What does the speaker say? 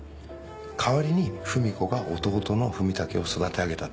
代わりに文子が弟の文武を育て上げたって。